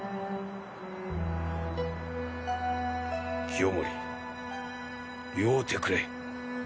清盛祝うてくれい。